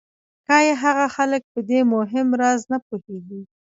ښایي هغه خلک په دې مهم راز نه پوهېږي